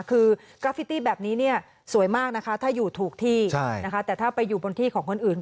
กราฟิตตี้แบบนี้สวยมากถ้าอยู่ถูกที่แต่ถ้าอยู่บนที่ของคนอื่น